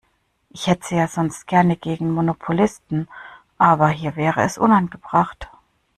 Ich hetze ja sonst gerne gegen Monopolisten, aber hier wäre es unangebracht.